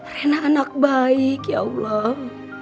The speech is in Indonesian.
rena anak baik ya allah